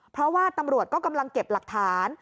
เพราะว่าตำรวจก็กำลังเก็บหลักฐาน